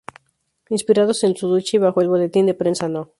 Inspirados en su Lucha y bajo el Boletín de prensa no.